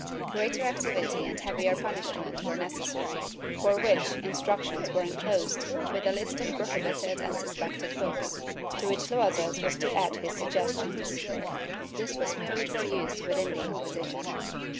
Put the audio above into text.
Greater activity and heavier punishment were necessary, for which instructions were enclosed, with a list of prohibited and suspected books, to which Loazes was to add his suggestions.* This was merely for use within the Inquisition.